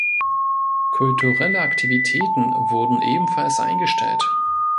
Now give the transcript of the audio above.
Kulturelle Aktivitäten wurden ebenfalls eingestellt.